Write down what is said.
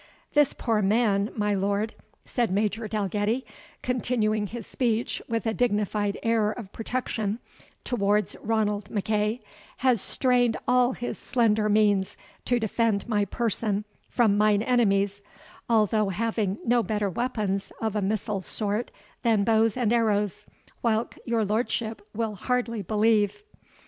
"This poor man, my lord," said Major Dalgetty, continuing his speech with a dignified air of protection towards Ranald M'Eagh, "has strained all his slender means to defend my person from mine enemies, although having no better weapons of a missile sort than bows and arrows, whilk your lordship will hardly believe."